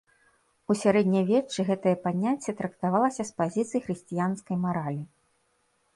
У сярэднявеччы гэтае паняцце трактавалася з пазіцый хрысціянскай маралі.